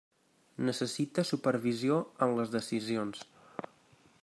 Necessita supervisió en les decisions.